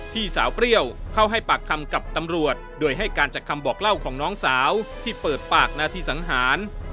พี่สาวเปรี้ยวเข้าให้ปากคำกับตำรวจโดยให้การจากคำบอกเล่าของน้องสาวที่เปิดปากหน้าที่สังหาร